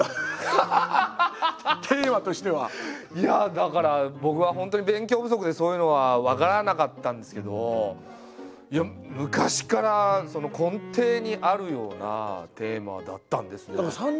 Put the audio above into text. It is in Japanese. だから僕は本当に勉強不足でそういうのは分からなかったんですけど昔から根底にあるようなテーマだったんですね。